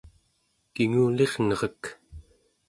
kingulirnerek